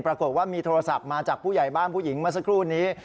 ปรากฏว่ามีโทรศัพท์มาจากผู้ใหญ่บ้านผู้หญิงเมื่อสักครู่นี้